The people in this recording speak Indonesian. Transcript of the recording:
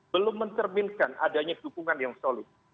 belum mencerminkan adanya dukungan yang solid